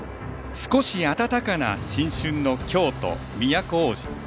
少し暖かな新春の京都・都大路。